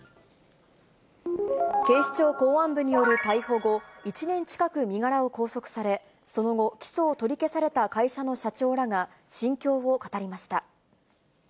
警視庁公安部による逮捕後、１年近く身柄を拘束され、その後、起訴を取り消された会社の社長らが、心境を語りました。